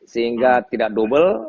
sehingga tidak double